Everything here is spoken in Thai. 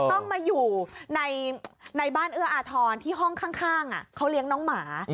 ต้องมาอยู่ในบ้านเอื้ออาทรที่ห้องข้างเขาเลี้ยงน้องหมา